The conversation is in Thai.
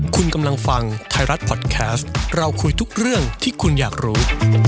คุณกำลังฟังไทยรัฐพอดแคสต์เราคุยทุกเรื่องที่คุณอยากรู้